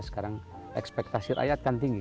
sekarang ekspektasi rakyat kan tinggi